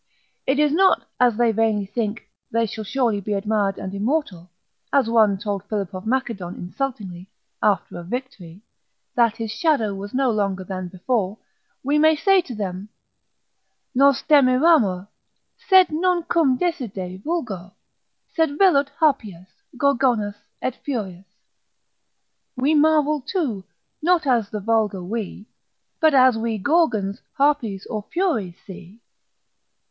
It is not as they vainly think, they shall surely be admired and immortal, as one told Philip of Macedon insultingly, after a victory, that his shadow was no longer than before, we may say to them, Nos demiramur, sed non cum deside vulgo, Sed velut Harpyas, Gorgonas, et Furias. We marvel too, not as the vulgar we, But as we Gorgons, Harpies, or Furies see.